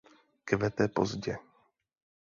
Kvete pozdě.